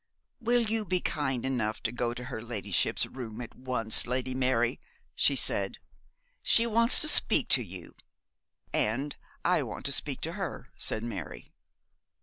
'Will you be kind enough to go to her ladyship's room at once, Lady Mary,' she said. 'She wants to speak to you.' 'And I want to speak to her,' said Mary.